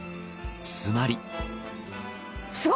つまり。